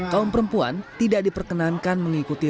kaum perempuan tidak diperkenankan mengikuti